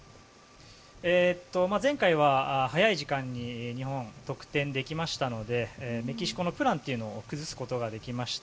前回は早い時間に日本、得点できましたのでメキシコのプランを崩すことができました。